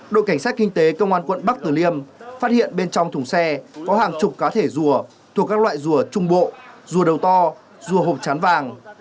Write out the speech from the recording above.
đội cảnh sát kinh tế công an quận bắc tử liêm phát hiện bên trong thùng xe có hàng chục cá thể rùa thuộc các loại rùa trung bộ rùa đầu to rùa hộp chán vàng